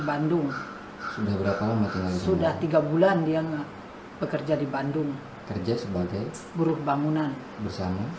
bandung sudah berapa lama sudah tiga bulan dia bekerja di bandung kerja sebagai buruh bangunan bersama